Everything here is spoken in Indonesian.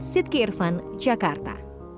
siti irvan jakarta